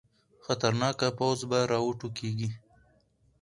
خطرناکه پوځ به راوټوکېږي.